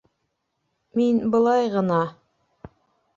— Мин былай ғына...